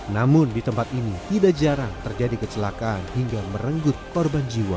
namun di tempat ini tidak jarang terjadi kecelakaan hingga merenggut korban jiwa